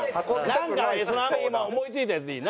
なんか今思い付いたやつでいい。